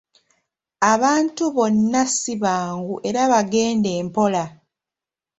Abantu bonna si bangu era bagende mpola.